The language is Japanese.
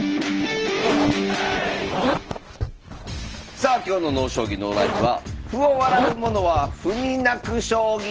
さあ今日の「ＮＯ将棋ＮＯＬＩＦＥ」は「歩を笑うものは歩に泣く将棋」！